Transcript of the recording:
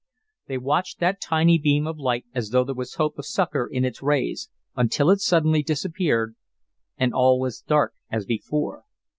They watched that tiny beam of light as though there was hope of succor in its rays, until it suddenly disappeared, and all was dark as before.